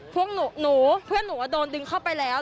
พวกหนูหนูเพื่อนหนูโดนดึงเข้าไปแล้ว